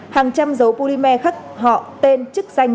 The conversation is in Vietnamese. hàng trăm dấu polymer khắc họ tên chức danh